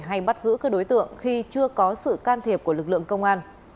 hay bắt giữ các đối tượng khi chưa có sự can thiệp của lực lượng công an